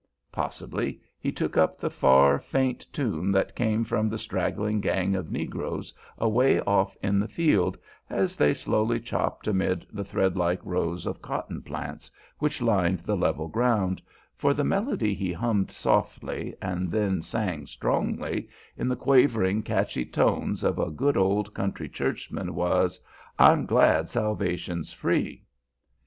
Possibly he took up the far, faint tune that came from the straggling gang of negroes away off in the field, as they slowly chopped amid the threadlike rows of cotton plants which lined the level ground, for the melody he hummed softly and then sang strongly, in the quavering, catchy tones of a good old country churchman, was "I'm glad salvation's free."